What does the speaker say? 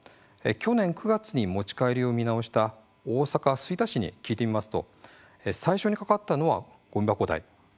去年９月に、持ち帰りを見直した大阪・吹田市に聞いてみますと最初にかかったのは、ごみ箱代。